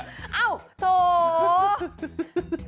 อ้าวโต๊ะ